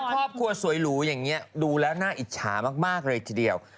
ครอบครัวสวยหรูอย่างนี้ดูแล้วน่าอิจฉามากเลยทีเดียว